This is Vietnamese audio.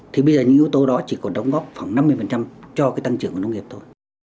thì bây giờ những yếu tố đó chỉ còn đóng góp khoảng năm mươi cho cái tăng trưởng của nông nghiệp thôi